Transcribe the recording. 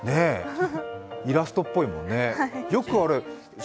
イラストっぽいもんね。